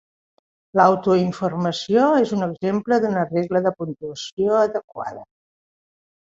L'autoinformació és un exemple d'una regla de puntuació adequada.